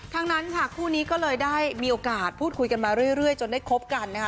ทั้งนั้นค่ะคู่นี้ก็เลยได้มีโอกาสพูดคุยกันมาเรื่อยจนได้คบกันนะคะ